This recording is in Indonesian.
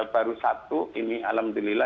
baru satu ini alhamdulillah